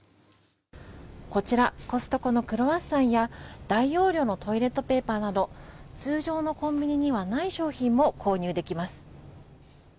こちらコストコのクロワッサンや大容量のトイレットペーパーなど通常のコンビニにはない商品も購入できます。